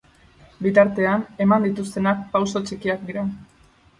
Bitartean, eman dituztenak pauso txikiak dira.